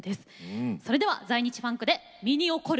それでは在日ファンクで「身に起こる」。